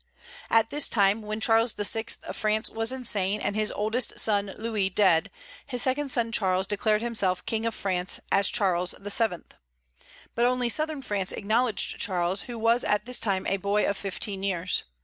At this time, when Charles VI. of France was insane, and his oldest son Louis dead, his second son Charles declared himself King of France, as Charles VII. But only southern France acknowledged Charles, who at this time was a boy of fifteen years.